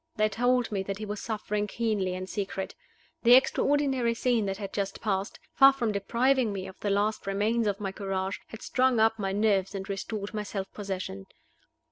They told me that he was suffering keenly in secret. The extraordinary scene that had just passed, far from depriving me of the last remains of my courage, had strung up my nerves and restored my self possession.